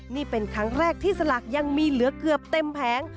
นี่เป็นครั้งแรกที่สลากยังมีเหลือเกือบเต็มแผง